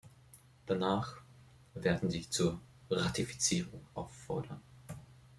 Danach werden sie zur Ratifizierung auffordern.